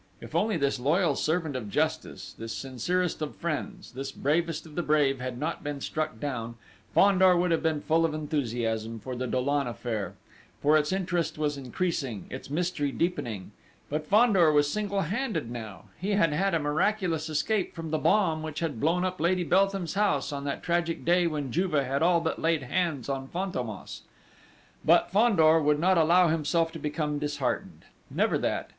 If only this loyal servant of Justice, this sincerest of friends, this bravest of the brave, had not been struck down, Fandor would have been full of enthusiasm for the Dollon affair; for its interest was increasing, its mystery deepening! But Fandor was single handed now! He had had a miraculous escape from the bomb which had blown up Lady Beltham's house on that tragic day when Juve had all but laid hands on Fantômas! But Fandor would not allow himself to become disheartened never that!